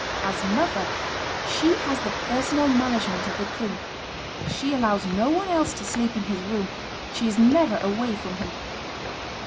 As mother, she has the personal management of the king; she allows no one else to sleep in his room; she is never away from him.